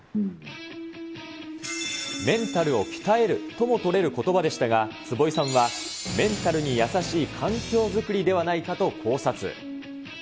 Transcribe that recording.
メンタルを鍛えるともとれることばでしたが、坪井さんは、メンタルに優しい環境作りではないかと考察。